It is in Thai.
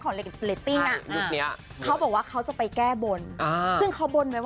โอ้โฮเขินจังเลยครับ